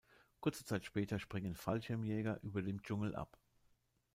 Kurze Zeit später springen Fallschirmjäger über dem Dschungel ab.